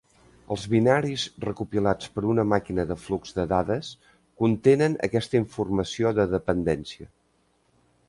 Els binaris recopilats per una màquina de flux de dades contenen aquesta informació de dependència.